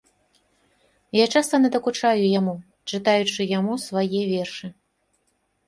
Я часта надакучаю яму, чытаючы яму свае вершы.